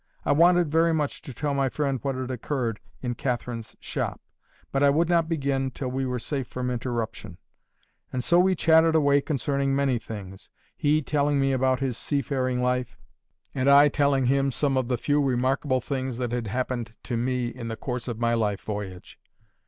I wanted very much to tell my friend what had occurred in Catherine's shop, but I would not begin till we were safe from interruption; and so we chatted away concerning many things, he telling me about his seafaring life, and I telling him some of the few remarkable things that had happened to me in the course of my life voyage.